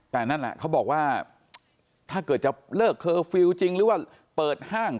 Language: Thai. แต่นั่นแหละเขาบอกว่าถ้าเกิดจะเลิกเคอร์ฟิลล์จริงหรือว่าเปิดห้าง